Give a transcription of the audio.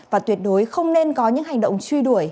và tuyệt đối không nên có những hành động truy đuổi